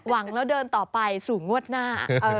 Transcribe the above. หวังแล้วเดินต่อไปสู่งวดหน้า